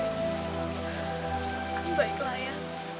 amin baiklah ayah